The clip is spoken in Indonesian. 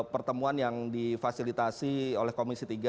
pertemuan yang difasilitasi oleh komisi tiga